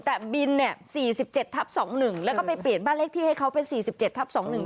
แต่บิลเนี้ยสี่สิบเจ็ดทับสองหนึ่งแล้วก็ไปเปลี่ยนบ้านเลขที่ให้เขาเป็นสี่สิบเจ็ดทับสองหนึ่ง